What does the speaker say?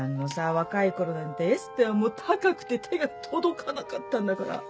若い頃なんてエステは高くて手が届かなかったんだから。